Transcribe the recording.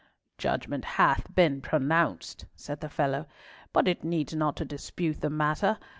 "Judgment hath been pronounced," said the fellow, "but it needs not to dispute the matter.